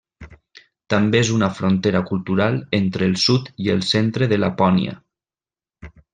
També és una frontera cultural entre el sud i el centre de la Lapònia.